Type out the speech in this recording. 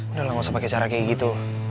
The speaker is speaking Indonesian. udah lah gausah pake cara kayak gitu